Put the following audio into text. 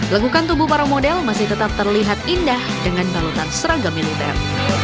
legukan tubuh para model masih tetap terlihat indah dengan balutan seragam militer